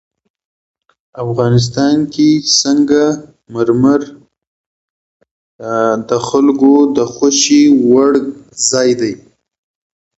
افغانستان کې سنگ مرمر د خلکو د خوښې وړ ځای دی.